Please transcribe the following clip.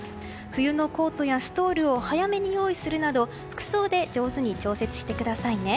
冬のコートやストールを早めに用意するなど服装で上手に調節してくださいね。